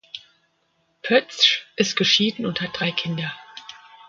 Pötzsch ist geschieden und hat drei Kinder.